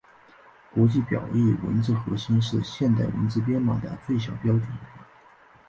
国际表意文字核心是现时汉字编码的最小标准。